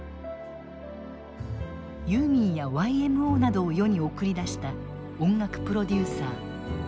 ユーミンやＹＭＯなどを世に送り出した音楽プロデューサー川添象郎氏。